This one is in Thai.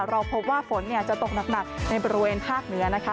เราพบว่าฝนเนี้ยจะตกหนักหนักในประเมินภาคเหนือนะคะ